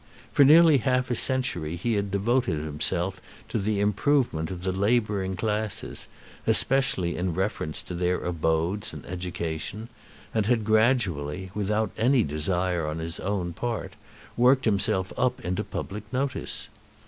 For nearly half a century he had devoted himself to the improvement of the labouring classes, especially in reference to their abodes and education, and had gradually, without any desire on his own part, worked himself up into public notice.